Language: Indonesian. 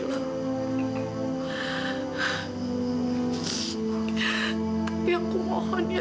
buat pelancong heeft you don't want me like